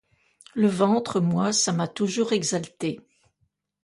Le ventre, moi, ça m'a toujours exalté.